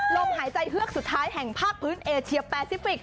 ลมหายใจเฮือกสุดท้ายแห่งภาคพื้นเอเชียแปซิฟิกส